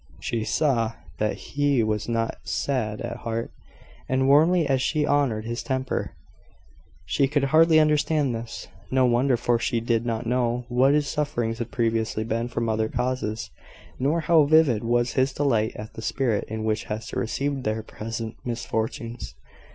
She saw that he was not sad at heart; and warmly as she honoured his temper, she could hardly understand this. No wonder for she did not know what his sufferings had previously been from other causes, nor how vivid was his delight at the spirit in which Hester received their present misfortunes.